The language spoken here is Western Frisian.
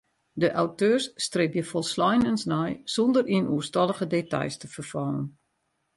De auteurs stribje folsleinens nei sûnder yn oerstallige details te ferfallen.